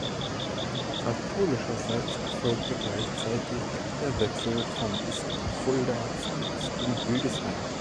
Katholischerseits erfolgte gleichzeitig der Wechsel vom Bistum Fulda zum Bistum Hildesheim.